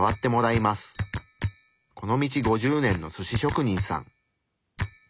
この道５０年のすし職人さん。